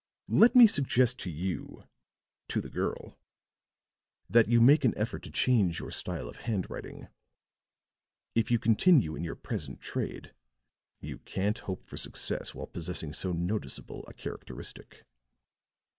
Let me suggest to you," to the girl, "that you make an effort to change your style of handwriting; if you continue in your present trade, you can't hope for success while possessing so noticeable a characteristic."